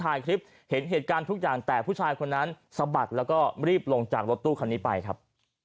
ถ่ายคลิปเห็นเหตุการณ์ทุกอย่างแต่ผู้ชายคนนั้นสะบัดแล้วก็รีบลงจากรถตู้คันนี้ไปครับ